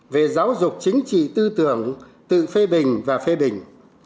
về giáo dục chính trị tư tưởng tự phê bình và phê bình